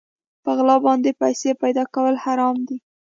په غلا باندې پيسې پيدا کول حرام کار دی.